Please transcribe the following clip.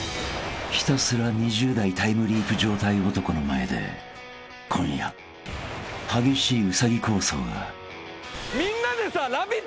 ［ひたすら２０代タイムリープ状態男の前で今夜激しい］